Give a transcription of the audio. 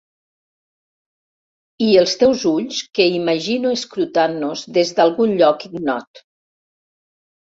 I els teus ulls que imagino escrutant-nos des d'algun lloc ignot.